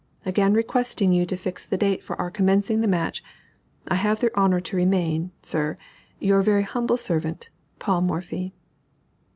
Again requesting you to fix the date for our commencing the match, I have the honor to remain, sir, Your very humble servant, PAUL MORPHY.